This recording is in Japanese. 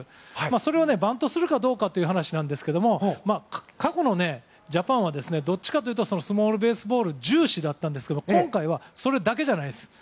それから、バントするかどうかという話なんですが過去のジャパンはどっちかというとスモールベースボール重視だったんですけど今回はそれだけじゃないです。